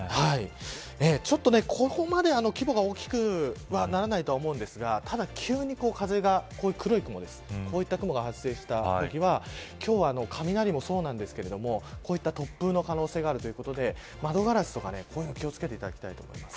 ちょっと、ここまで規模が大きくはならないとは思うんですがただ急に風がこういった黒い雲が発生したときは今日は雷もそうなんですけどこういった突風の可能性があるということで窓ガラスに気を付けていただきたいと思います。